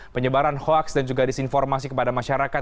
penyebaran hoaks dan juga disinformasi kepada masyarakat